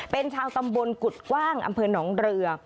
เป็นชาวตำบลกุฎกว้างอำเภอหนองเรือ